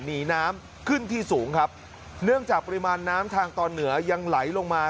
หนีน้ำขึ้นที่สูงครับเนื่องจากปริมาณน้ำทางตอนเหนือยังไหลลงมา